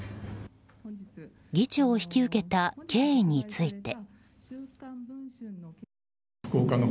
議長を引き受けた経緯について。